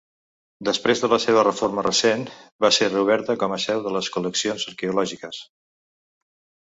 Després de la seva reforma recent, va ser reoberta com seu de les col·leccions arqueològiques.